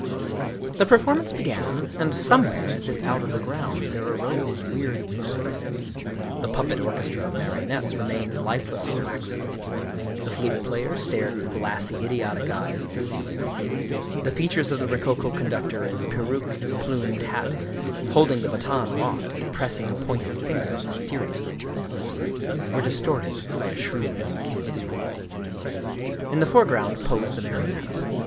The performance began, and somewhere, as if out of the ground, there arose weird music. The puppet orchestra of marionettes remained lifeless and waxen ; the flute player stared with glassy, idiotic eyes at the ceiling; the features of the rococo conductor in peruke and plumed hat, holding the baton aloft and pressing a pointed finger mysteriously 12 Gustav Mcyrink to his lips, were distorted by a shrewd, uncanny smile. In the foreground posed the marionettes.